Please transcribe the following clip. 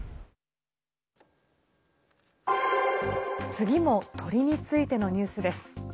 次も鳥についてのニュースです。